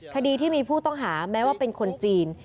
คดีที่มีผู้ต้องหาแม้ว่าเป็นคนจีน